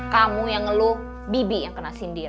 kamu yang ngeluh bibi yang kena sindir